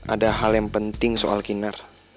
ada hal yang penting soal kinerja